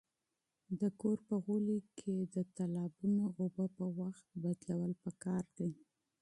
د کور په انګړ کې د حوضونو اوبه په وخت بدلول پکار دي.